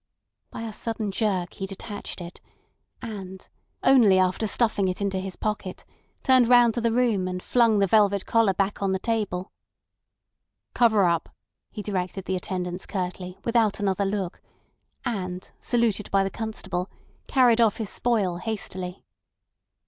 By a sudden jerk he detached it, and only after stuffing it into his pocket turned round to the room, and flung the velvet collar back on the table— "Cover up," he directed the attendants curtly, without another look, and, saluted by the constable, carried off his spoil hastily.